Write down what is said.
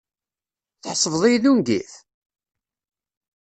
Tḥesbeḍ-iyi d ungif?